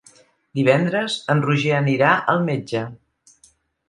Divendres en Roger anirà al metge.